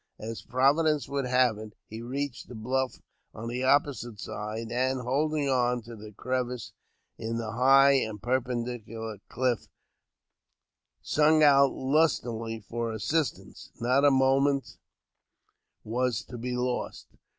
As Providence would have it, he reached the bluff on the opposite ,side, and, holding on to the crevices in the high and perpen dicular cliff, sung out lustily for assistance. Not a moment was to be lost.